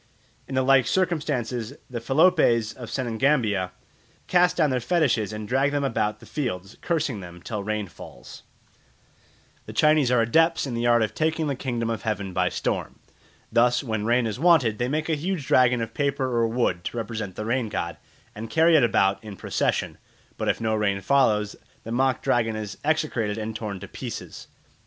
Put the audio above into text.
In the like circumstances the Feloupes of Senegambia cast down their fetishes and drag them about the fields, cursing them till rain falls. The Chinese are adepts in the art of taking the kingdom of heaven by storm. Thus, when rain is wanted they make a huge dragon of paper or wood to represent the rain god, and carry it about in procession; but if no rain follows, the mock dragon is execrated and torn to pieces.